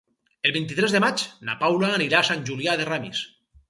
El vint-i-tres de maig na Paula anirà a Sant Julià de Ramis.